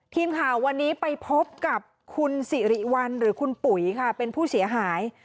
ทีมข่าววันนี้ไปพบกับคุณสิริวัลหรือคุณปุ๋ยค่ะเป็นผู้เสียหาย